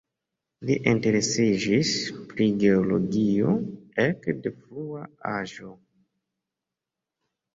Li interesiĝis pri geologio ek de frua aĝo.